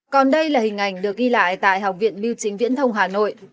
còn đây là hình ảnh được ghi lại tại học viện biêu chính viễn thông hà nội